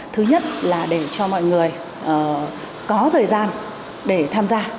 thứ nhất là để cho mọi người có thời gian để tham gia